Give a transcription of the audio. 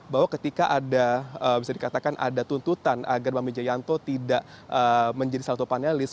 bahwa ketika ada bisa dikatakan ada tuntutan agar bambi jayanto tidak menjadi salah satu panelis